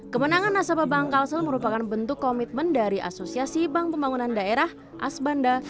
kemenangan nasabah bank kalsel merupakan bentuk komitmen dari asosiasi bank pembangunan daerah asbanda